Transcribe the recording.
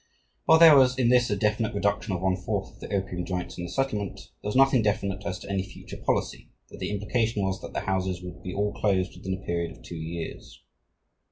While there was in this a definite reduction of one fourth of the opium joints in the settlement, there was nothing definite as to any future policy, though the implication was that the houses would be all closed within a period of two years.